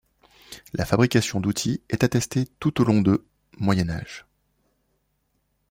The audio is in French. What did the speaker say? La fabrication d'outils est attestée tout au long de Moyen Âge.